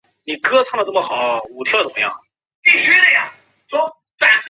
人们将尽快重新在这座山上种树。